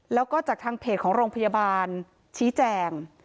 แล้วก็จากทางเพจของโรงพยาบาลชี้แจง